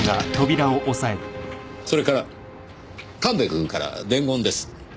それから神戸君から伝言です。